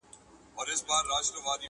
وني وویل پر ملا ځکه ماتېږم!!